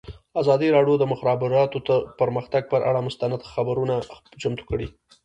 ازادي راډیو د د مخابراتو پرمختګ پر اړه مستند خپرونه چمتو کړې.